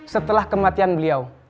setelah kematian beliau